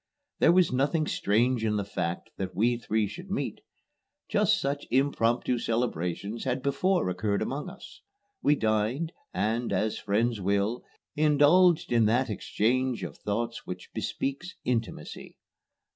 There was nothing strange in the fact that we three should meet. Just such impromptu celebrations had before occurred among us. We dined, and, as friends will, indulged in that exchange of thoughts which bespeaks intimacy.